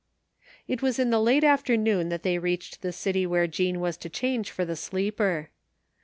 It was in the late afternoon that they readhed the city where Jean was to change to the sleeper.